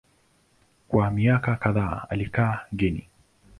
Kwa miaka kadhaa alikaa Guinea.